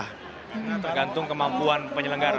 tergantung kemampuan penyelenggara